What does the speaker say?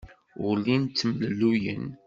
Ur llin ttemlelluyen.